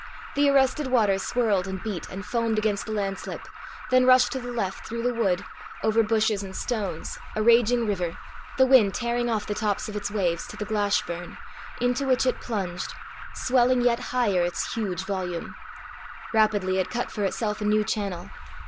The arrested water swirled and beat and foamed against the landslip, then rushed to the left, through the wood, over bushes and stones, a raging river, the wind tearing off the tops of its waves, to the Glashburn, into which it plunged, swelling yet higher its huge volume. Rapidly it cut for itself a new channel.